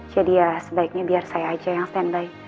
jadi ya sebaiknya biar saya aja yang standby